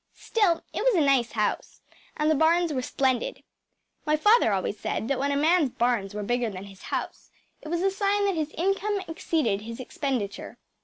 Still, it was a nice house, and the barns were splendid. My father always said that when a man’s barns were bigger than his house it was a sign that his income exceeded his expenditure.